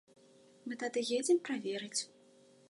Мы тады едзем праверыць.